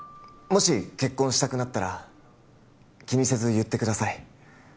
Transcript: もし結婚したくなったら気にせず言ってください